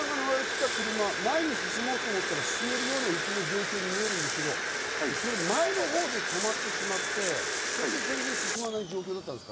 見る限り、土屋さんが乗られていた車、前に進もうと思ったら進めるような雪の状況に見えるんですけど、前の方で止まってしまって、それで全然進まない状況だったんですか？